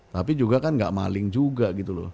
tapi juga kan gak maling juga gitu loh